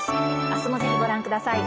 あすもぜひご覧ください。